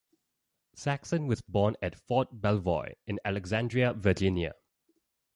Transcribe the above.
Saxon was born at Fort Belvoir in Alexandria, Virginia.